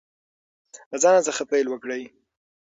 له ځان څخه پیل وکړئ.